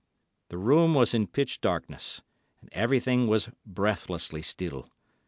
The room was in pitch darkness, and everything was breathlessly still.